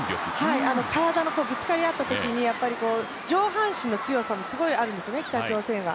体のぶつかり合ったときに、上半身の強さもすごくあるんですよね、北朝鮮は。